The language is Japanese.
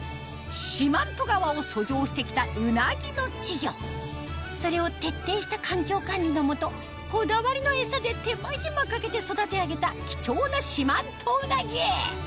四万十川を遡上して来たうなぎの稚魚それを徹底した環境管理の下こだわりの餌で手間暇かけて育て上げた貴重な四万十うなぎ